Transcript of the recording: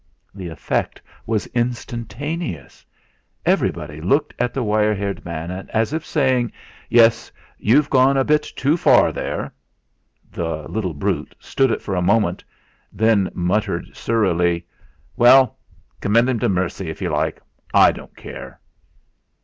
The effect was instantaneous. Everybody looked at the wire haired man, as if saying: "Yes, you've gone a bit too far there!" The "little brute" stood it for a moment, then muttered surlily: "Well, commend 'im to mercy if you like; I don't care."